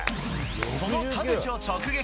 その田口を直撃。